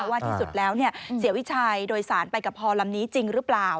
ว่าที่สุดแล้วเสียวิชัยโดยสารไปกับพอลำนี้จริงหรือเปล่า